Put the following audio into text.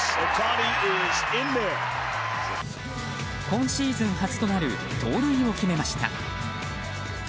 今シーズン初となる盗塁を決めました。